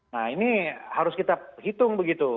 nah ini harus kita hitung begitu